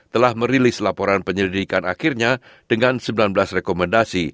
telah merilis laporan penyelidikan akhirnya dengan sembilan belas rekomendasi